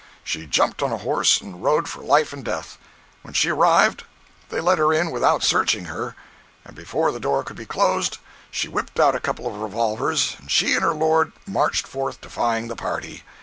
She jumped on a horse and rode for life and death. When she arrived they let her in without searching her, and before the door could be closed she whipped out a couple of revolvers, and she and her lord marched forth defying the party.